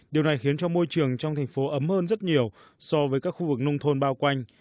điều này khiến cho môi trường trong thành phố ấm hơn rất nhiều so với các khu vực nông thôn bao quanh